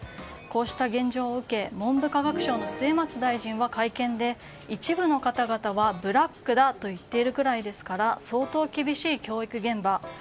こうした現状を受け文部科学省の末松大臣は会見で、一部の方々はブラックだと言っているぐらいですから相当厳しい教育現場。